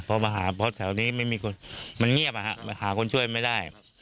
พอมาหาเพราะแถวนี้ไม่มีคนมันเงียบหาคนช่วยไม่ได้